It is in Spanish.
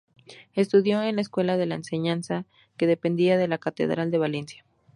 Estudió en la escuela de la Enseñanza, que dependía de la Catedral de Valencia.